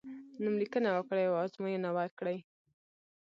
نوم لیکنه وکړی او ازموینه ورکړی.